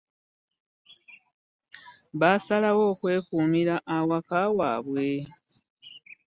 Baasalwo okwekuumira awaka waabwe.